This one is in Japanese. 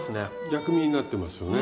薬味になってますよね。